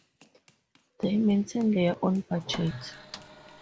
They maintain their own budget.